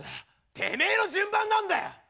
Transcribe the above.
てめえの順番なんだよ！